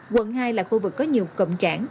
quận hai là khu vực có nhiều cộng trảng